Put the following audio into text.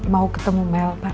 mau ketemu mel pak